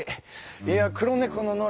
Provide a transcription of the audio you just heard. いや黒猫ののら。